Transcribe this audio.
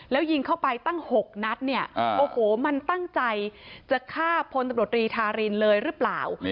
แล้วยิงเข้าไปตั้ง๖นัดเนี่ยโอ้โหมันตั้งใจจะฆ่าพลตำรวจรีธารินเลยหรือเปล่า